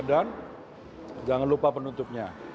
dan jangan lupa penutupnya